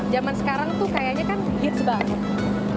zaman sekarang tuh kayaknya kan hits banget